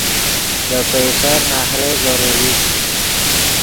دے پئیفر نہرے ضروری